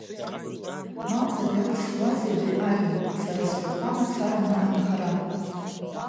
Мамзар Иалсхуазеи абри ажәҩан сара Сшәахәа мацараны анхара?